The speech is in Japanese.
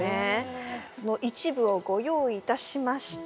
その一部をご用意いたしました。